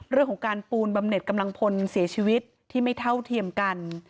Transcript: เรื่องของการปูนบำเน็ตกำลังพลเสียชีวิตที่ไม่เท่าเทียมกัน